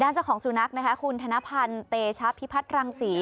เจ้าของสุนัขนะคะคุณธนพันธ์เตชะพิพัฒน์รังศรี